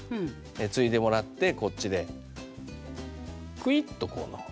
ついでもらってこっちでクイッとこう飲む。